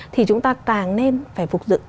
thì chúng ta càng nên phải phục dựng